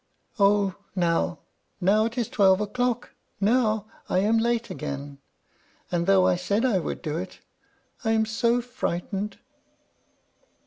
Oh, now, now it is twelve o'clock! now I am late again! and though I said I would do it, I am so frightened!"